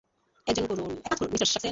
এক কাজ করুন, মিস্টার সাক্সেনা।